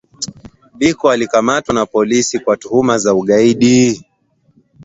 Biko alikamatwa na polisi kwa thuhuma ya ugaidi